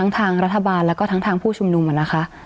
ทั้งรัฐบาลแล้วก็ทั้งผู้ชุมนุมมันนะคะ